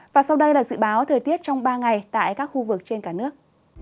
và sau đây là dự báo thời tiết trong ba ngày tại các khu vực trên cả nước